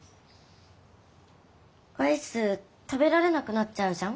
アイス食べられなくなっちゃうじゃん？